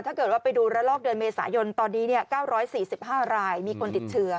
ถ้าเกิดว่าไปดูระลอกเดือนเมษายนตอนนี้๙๔๕รายมีคนติดเชื้อ